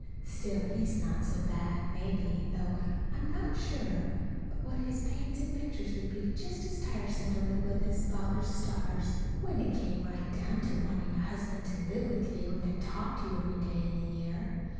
Still, he's not so bad, maybe; though I'm not sure but what his paints and pictures would be just as tiresome to live with as Father's stars, when it came right down to wanting a husband to live with you and talk to you every day in the year.